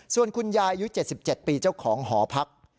ส่วนคุณยายอายุ๗๗ปีเจ้าของหอพัก